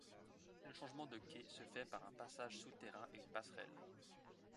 Le changement de quai se fait par un passage souterrain et une passerelle.